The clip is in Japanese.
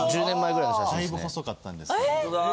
だいぶ細かったんです。